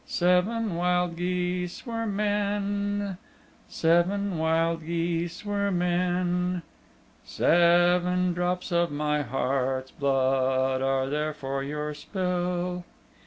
Seven wild geese were men, seven wild geese were men, Seven drops of my heart's blood are there for your spell.